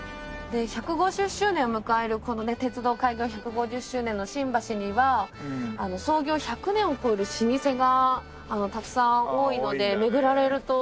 で１５０周年を迎えるこのね鉄道開業１５０周年の新橋には創業１００年を超える老舗がたくさん多いので巡られると。